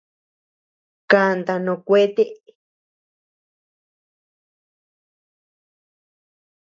Kanta noo kuete.